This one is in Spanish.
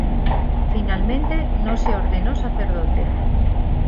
Finalmente, no se ordenó sacerdote.